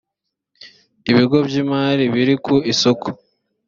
ibigo by imari biri ku isoko